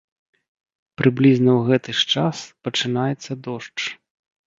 Прыблізна ў гэты ж час пачынаецца дождж.